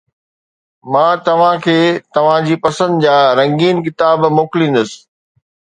مان توهان کي توهان جي پسند جا رنگين ڪتاب موڪليندس